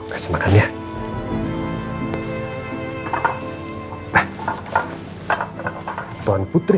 maunya di suapin om baik